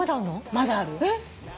まだある。